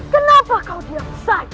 kenapa kau diam saja